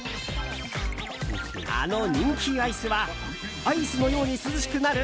あの人気アイスはアイスのように涼しくなる！？